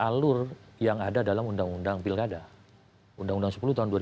kalian yang memiliki ketiak hal ini itu bahkan anda sendiri